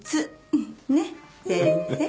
ねっ先生。